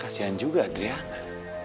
kasihan juga griana